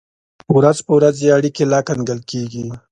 ورځ په ورځ یې اړیکې لا ګنګل کېږي.